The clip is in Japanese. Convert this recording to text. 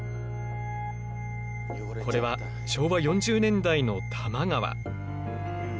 これは昭和４０年代の多摩川。